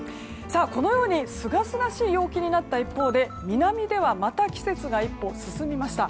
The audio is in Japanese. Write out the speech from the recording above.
このようにすがすがしい陽気になった一方で南ではまた季節が一歩進みました。